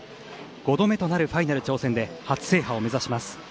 ５度目となるファイナル挑戦で初制覇を目指します。